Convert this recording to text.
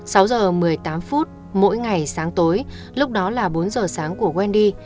sáu h một mươi tám phút mỗi ngày sáng tối lúc đó là bốn h sáng của quen đi